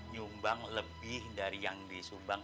nyumbang lebih dari yang disumbang